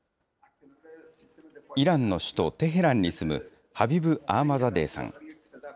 イランの首都テヘランに住む、ハビブ・アーマザデーさん。